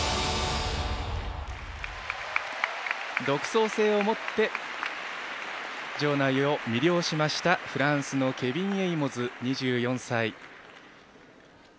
独創性を持って場内を魅了しましたフランスのケビン・エイモズ２４歳。